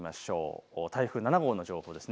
台風７号の状況です。